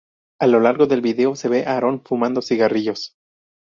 A lo largo del video, se ve a Aaron fumando cigarrillos.